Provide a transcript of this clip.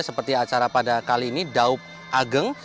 seperti acara pada kali ini daup ageng